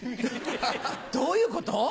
どういうこと？